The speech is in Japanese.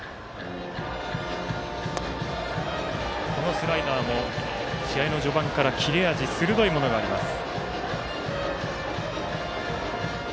スライダーも、試合の序盤から切れ味鋭いものがあります。